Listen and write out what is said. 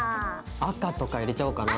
赤とか入れちゃおうかな。